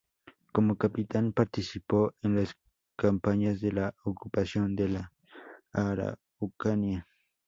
Como capitán, participó en las campañas de la Ocupación de la Araucanía.